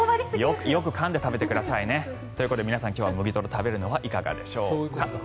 よくかんで食べてくださいね。ということで皆さん今日は麦とろを食べるのはいかがでしょうか。